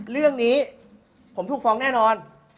เรื่องนี้ผมถูกฟ้องแน่นอน